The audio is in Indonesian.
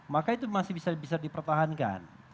maka itu masih bisa dipertahankan